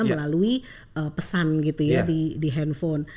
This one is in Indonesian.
melalui pesan gitu ya di handphone